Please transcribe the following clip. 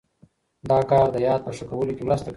دا کار د یاد په ښه کولو کې مرسته کوي.